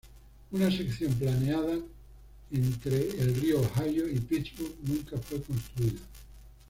Una sección planeada entre el río Ohio y Pittsburgh nunca fue construida.